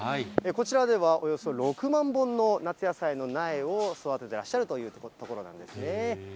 こちらでは、およそ６万本の夏野菜の苗を育ててらっしゃるという所なんですね。